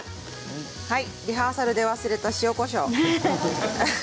リハーサルで忘れた塩、こしょう。